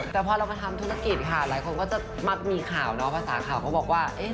แต่พอเรามาทำธุรกิจค่ะหลายคนก็จะมักมีข่าวเนาะภาษาข่าวเขาบอกว่า